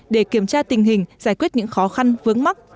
để kiểm tra tình hình giải quyết những khó khăn vướng mắt